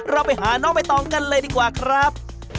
เราไปหาน้องใบตองกันเลยดีกว่าครับ